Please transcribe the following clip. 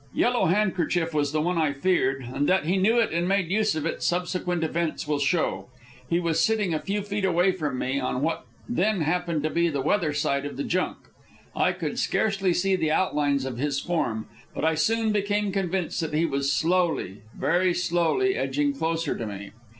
Yellow Handkerchief was the one I feared, and that he knew it and made use of it, subsequent events will show. He was sitting a few feet away from me, on what then happened to be the weather side of the junk. I could scarcely see the outlines of his form, but I soon became convinced that he was slowly, very slowly, edging closer to me.